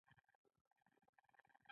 د هایپوکسیا د اکسیجن کموالی دی.